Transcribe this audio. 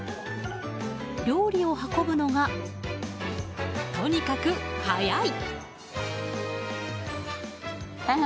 料理を運ぶのが、とにかく速い。